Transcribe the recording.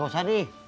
gue kagak tau d